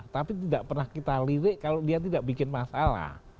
tapi tidak pernah kita lirik kalau dia tidak bikin masalah